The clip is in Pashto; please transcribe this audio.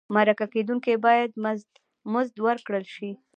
مرکه کېدونکی باید مزد ورکړل شي.